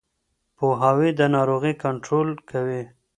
پوهاوی د ناروغۍ کنټرول کوي.